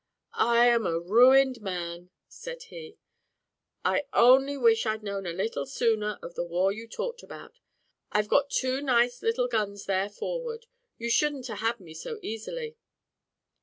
"I am a ruined man," said he. "I only wish I'd known a little sooner of the war you talk about: I've got two nice little guns there forward; you shouldn't a had me so easily."